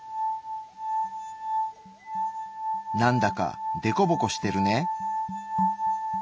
なんだかデコボコしてるね。